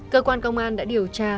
cơ quan công an đã điều tra